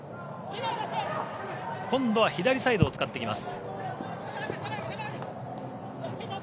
今度は左サイドを使ってきます。